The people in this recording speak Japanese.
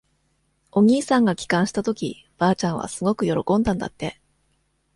お兄さんが帰還したとき、ばあちゃんはすごく喜んだんだって。